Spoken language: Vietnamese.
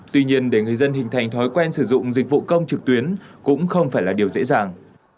tuy nhiên để người dân hình thành thói quen sử dụng dịch vụ công trực tuyến cũng không phải là điều dễ dàng